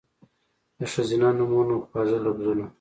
د ښځېنه نومونو، خواږه لفظونه